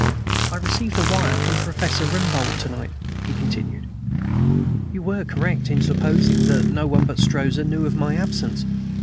"I received a wire from Professor Rembold to night," he continued. "You were correct in supposing that no one but Strozza knew of my absence.